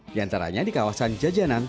di antaranya di kawasan jajanan